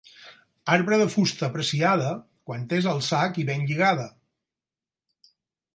Arbre de fusta apreciada, quan és al sac i ben lligada.